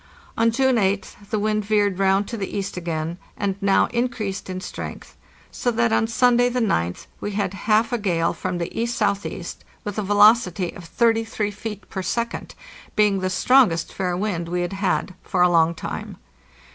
On June 8th the wind veered round to the east again, and now in creased in strength, so that on Sunday, the goth, we had half a gale from the E.S.E., with a velocity of 33 feet per second, being the strongest fair wind we had had fora long time.